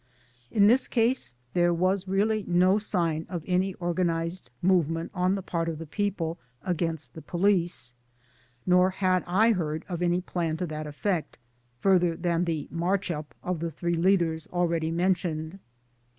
In this case there was really no sign of any organized movement on the part of the people against the police, nor had I heard of any plan to that effect, further than the march up of the three leaders already mentioned.